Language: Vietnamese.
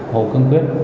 hồ cương quyết